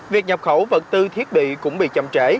việc nhập khẩu vật tư thiết bị cũng bị chậm trễ